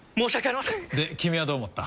で君はどう思った？